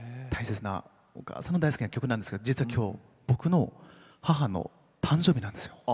お母さんが大好きな曲なんですが実は、きょう僕の母の誕生日なんですよ。